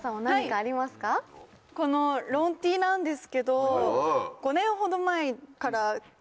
このロンＴなんですけど。